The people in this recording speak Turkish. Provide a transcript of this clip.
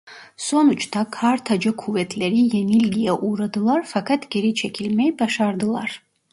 Sonuçta Kartaca kuvvetleri yenilgiye uğradılar fakat geri çekilmeyi başardılar.